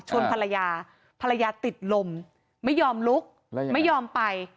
ภรรยาภรรยาติดลมไม่ยอมลุกไม่ยอมไป